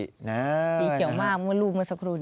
สีเขียวมากเมื่อลูกเมื่อสักครู่นี้